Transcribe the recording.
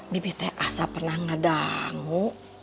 bibitnya asap pernah ngedangu